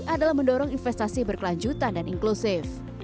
adalah mendorong investasi berkelanjutan dan inklusif